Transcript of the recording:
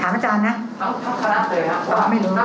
ถามอาจารย์นะทั้งทั้งธนาคต์เลยครับเพราะว่าที่เห็นเนี่ยคือพอใจนะ